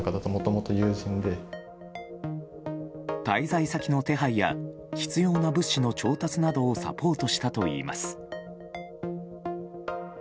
滞在先の手配や必要な物資の調達などをサポートしたといいます。